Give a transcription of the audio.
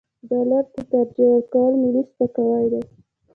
ډالر ته ترجیح ورکول ملي سپکاوی دی.